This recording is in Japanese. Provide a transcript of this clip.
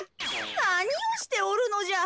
なにをしておるのじゃ。